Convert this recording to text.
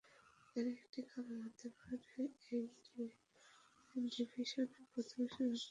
এর একটি কারণ হতে পারে এই ডিভিশনের প্রথম সেনাপতি ছিলেন জন এফ অরিয়ান।